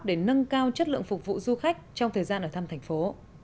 để nâng cao chất lượng phục vụ du khách trong thời gian ở thăm thành phố